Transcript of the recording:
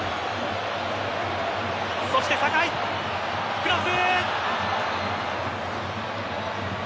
そして酒井クロス！